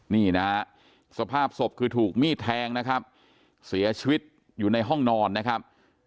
นี่นะฮะสภาพศพคือถูกมีดแทงนะครับเสียชีวิตอยู่ในห้องนอนนะครับ